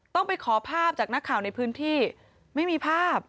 ต้องไปขอภาพจากนักข่าวในพื้นที่ไม่มีภาพ